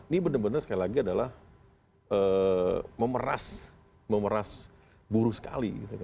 ini benar benar sekali lagi adalah memeras buruh sekali